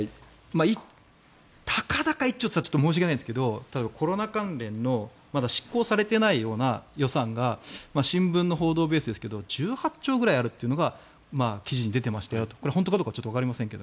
たかだか１兆というと申し訳ないですが例えばコロナ関連の執行されていないような予算が新聞の報道ベースですが１８兆ぐらいあるというのが記事に出ていましたよと、これは本当かどうかわかりませんが。